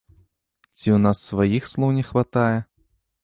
Ці ў нас сваіх слоў не хватае?